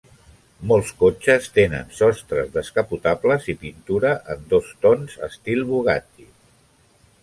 Molts cotxes tenen sostres descapotables i pintura en dos tons estil Bugatti.